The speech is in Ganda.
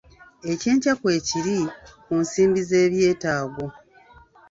Ekyenkya kwe kiri ku nsimbi z'ebyetaago.